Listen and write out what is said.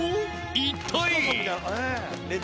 一体。